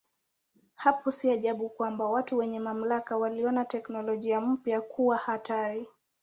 Hapo si ajabu kwamba watu wenye mamlaka waliona teknolojia mpya kuwa hatari.